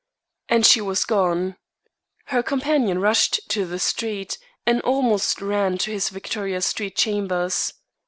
And she was gone. Her companion rushed to the street, and almost ran to his Victoria Street chambers.